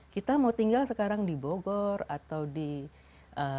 kita mau tinggal sekarang di bogor atau di jakarta